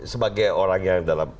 sebagai orang yang dalam